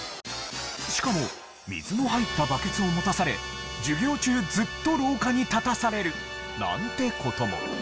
しかも水の入ったバケツを持たされ授業中ずっと廊下に立たされるなんて事も。